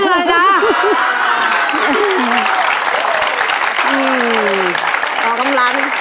ออกกำลัง